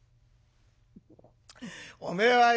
「おめえはよ